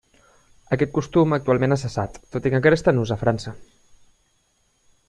Aquest costum actualment ha cessat, tot i que encara està en ús a França.